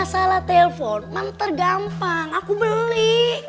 salah telpon mam tergampang aku beli